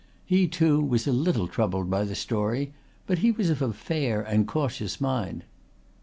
He, too, was a little troubled by the story, but he was of a fair and cautious mind.